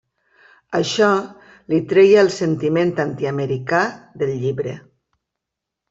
Això li treia el sentiment antiamericà del llibre.